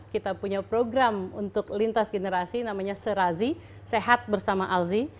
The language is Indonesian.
kita punya program untuk lintas generasi namanya serazi sehat bersama alzi